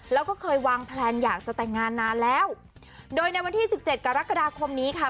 แล้วก็เคยวางแพลนอยากจะแต่งงานนานแล้วโดยในวันที่สิบเจ็ดกรกฎาคมนี้ค่ะ